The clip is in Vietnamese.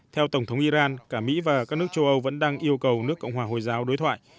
theo tổng thống iran cả mỹ và các nước châu âu vẫn đang yêu cầu nước cộng hòa hồi giáo đối thoại